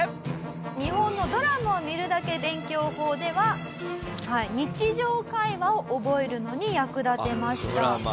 日本のドラマを見るだけ勉強法では日常会話を覚えるのに役立てました。